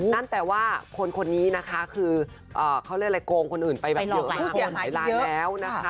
นั่นแปลว่าคนคนนี้นะคะคือเขาเรียกอะไรโกงคนอื่นไปแบบเยอะมากหลายลายแล้วนะคะ